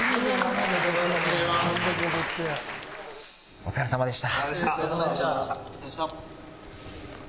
お疲れさまでした。